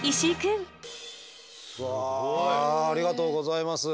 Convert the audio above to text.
ありがとうございます。